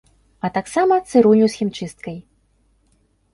А таксама цырульню з хімчысткай.